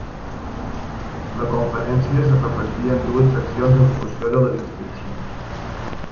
La conferència es repartia en dues seccions en funció de les inscripcions.